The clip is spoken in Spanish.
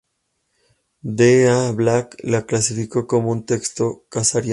D. A. Black lo clasificó como un texto cesariano.